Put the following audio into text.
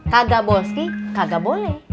kagak bolski kagak boleh